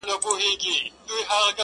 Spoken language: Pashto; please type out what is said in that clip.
زړه مي را خوري؛